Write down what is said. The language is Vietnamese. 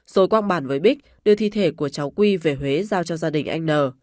rồi quang bàn với bích đưa thi thể của cháu quy về huế giao cho gia đình anh n